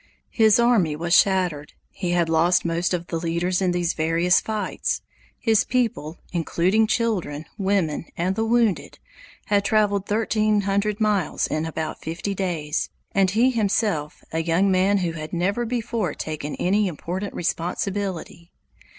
His army was shattered; he had lost most of the leaders in these various fights; his people, including children, women, and the wounded, had traveled thirteen hundred miles in about fifty days, and he himself a young man who had never before taken any important responsibility!